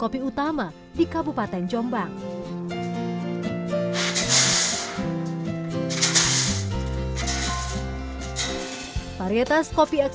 kopi xelsa adalah varietas terkenal di wonosalam